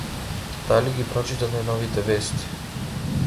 Дали ги прочита најновите вести?